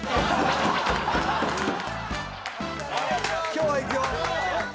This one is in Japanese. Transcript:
「今日はいくよ」